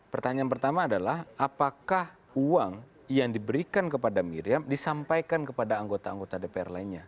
pertanyaan pertama adalah apakah uang yang diberikan kepada miriam disampaikan kepada anggota anggota dpr lainnya